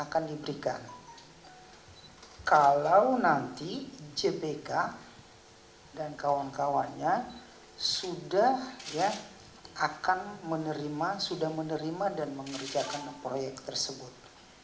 kalau nanti jpk dan kawan kawannya sudah akan menerima dan mengerjakan proyek tersebut